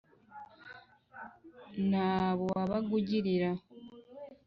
n’abo wabaga ugirira!